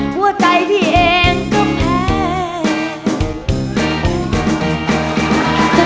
หัวใจพี่เองก็แพ้